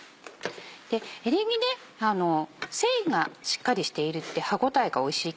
エリンギ繊維がしっかりしていて歯応えがおいしい